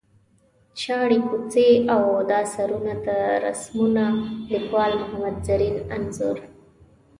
شاړې کوڅې او دا سرونه دا رسمونه ـ لیکوال محمد زرین انځور.